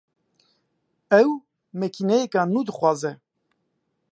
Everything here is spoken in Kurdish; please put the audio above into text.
Ew makîneyeka nû dixwaze